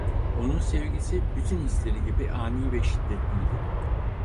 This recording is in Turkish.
Onun sevgisi, bütün hisleri gibi ani ve şiddetliydi.